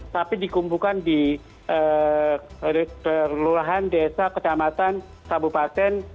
tapi dikumpulkan di leluhan desa ketamatan kabupaten